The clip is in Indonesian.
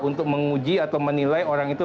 untuk menguji atau menilai orang itu